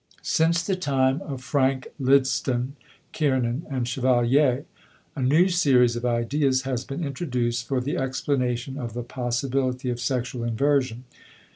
* Since the time of Frank Lydston, Kiernan, and Chevalier, a new series of ideas has been introduced for the explanation of the possibility of sexual inversion.